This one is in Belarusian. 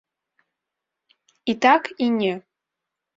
І так, і не.